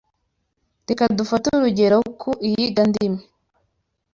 Reka dufate urugero ku iyigandimi